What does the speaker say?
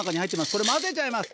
これ混ぜちゃいます。